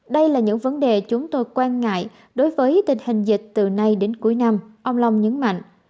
đây là những vấn đề chúng tôi quan ngại đối với tình hình dịch từ nay đến cuối năm ông long nhấn mạnh